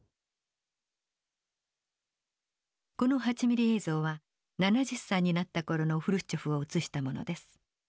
この８ミリ映像は７０歳になった頃のフルシチョフを映したものです。